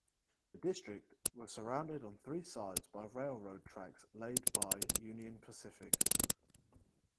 The district was surrounded on three sides by railroad tracks laid by Union Pacific.